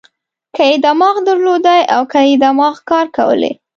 که یې دماغ درلودای او که یې دماغ کار کولای.